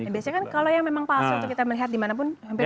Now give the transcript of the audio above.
biasanya kan kalau yang memang palsu itu kita melihat dimanapun hampir